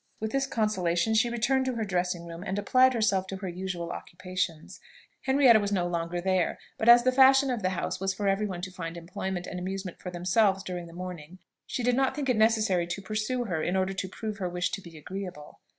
With this consolation she returned to her dressing room and applied herself to her usual occupations. Henrietta was no longer there; but as the fashion of the house was for every one to find employment and amusement for themselves during the morning, she did not think it necessary to pursue her in order to prove her wish to be agreeable.